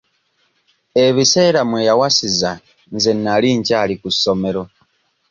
Ebiseera mmwe yawasiza nze nali nkyali ku ssomero.